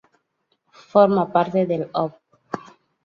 Forma parte del Op.